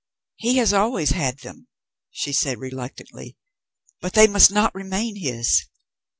"He has always had them," she said reluctantly; "but they must not remain his."